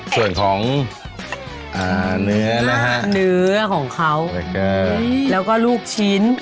ส่วนของเนื้อนะฮะเนื้อของเขาแล้วก็ลูกชิ้น